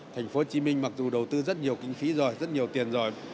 tp hcm mặc dù đầu tư rất nhiều kinh phí rồi rất nhiều tiền rồi